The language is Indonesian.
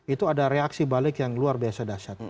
itu ada reaksi balik yang luar biasa dahsyat